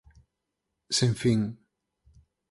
Sen fin.